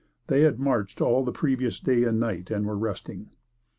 They had marched all the previous day and night, and were resting.